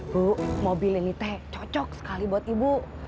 bu mobil ini teh cocok sekali buat ibu